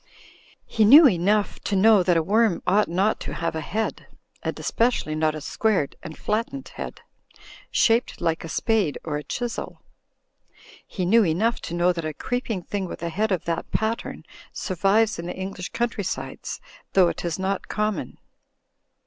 He knew enough to know that a worm ought not to have a head, and especially not a squared and flattened head, shaped like a spade or a chisel. He knew enough to know that a creeping thing with a head of that pattern survives in the Eng lish country sides, though it is not common.